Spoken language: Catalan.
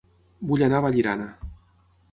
Vull anar a Vallirana